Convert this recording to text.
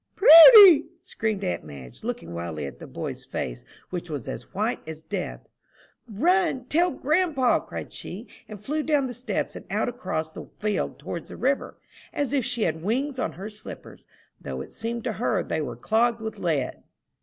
"Prudy!" screamed aunt Madge, looking wildly at the boy's face, which was as white as death. "Run, tell grandpa!" cried she, and flew down the steps, and out across the field towards the river, as if she had wings on her slippers, though it seemed to her they were clogged with lead.